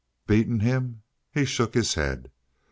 "Beaten him?" He shook his head.